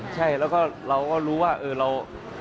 ใช่แล้วก็เราก็รู้ว่าเออเรา